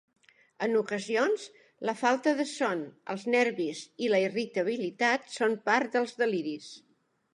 En ocasions, la falta de son, els nervis i la irritabilitat són part dels deliris.